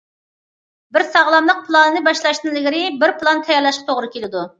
بىر ساغلاملىق پىلانىنى باشلاشتىن ئىلگىرى، بىر پىلان تەييارلاشقا توغرا كېلىدۇ.